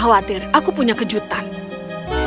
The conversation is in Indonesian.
sang penyihir mengambil celemek berwarna biru